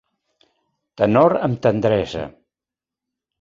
Tenor amb tendresa